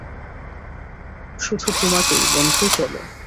শুধু তোমাকই, বন্ধু, চলো।